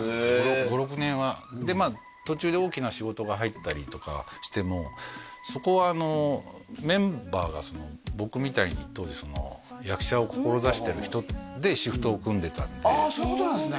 ５６年はでまあ途中で大きな仕事が入ったりとかしてもそこはメンバーが僕みたいに当時役者を志してる人でシフトを組んでたんでああそういうことなんですね